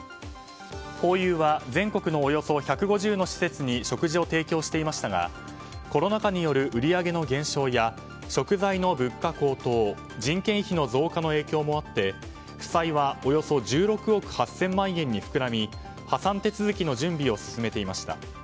ホーユーは全国のおよそ１５０の施設に食事を提供してましたがコロナ禍による売り上げの減少や食材の物価高騰人件費の増加の影響もあって負債はおよそ１６億８０００万円に膨らみ破産手続きの準備を進めていました。